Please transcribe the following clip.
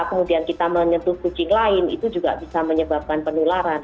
kemudian kita menyentuh kucing lain itu juga bisa menyebabkan penularan